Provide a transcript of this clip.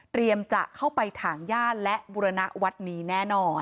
เตรียมจะเข้าไปถ่างญาติและบุรณะวัดนี้แน่นอน